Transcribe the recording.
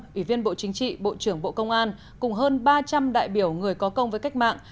ủy viên bộ chính trị bộ trưởng bộ công an cùng hơn ba trăm linh đại biểu người có công với cách mạng